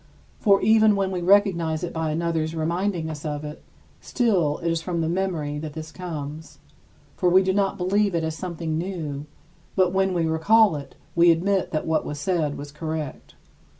For even when we recognize it by another's reminding us of it, still it is from the memory that this comes, for we do not believe it as something new; but when we recall it, we admit that what was said was correct.